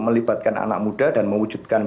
melibatkan anak muda dan mewujudkan